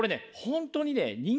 本当にねあ